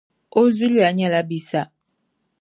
O zuliya nyɛla Bissa.